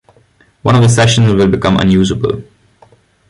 One of the sessions will become unusable.